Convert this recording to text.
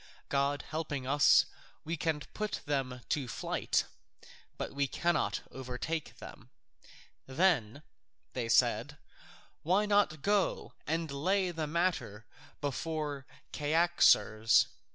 God helping us, we can put them to flight, but we cannot overtake them." "Then," said they, "why not go and lay the matter before Cyaxares?"